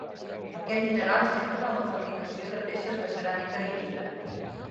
Aquest mineral s'empra en la fabricació de peces de ceràmica i vidre.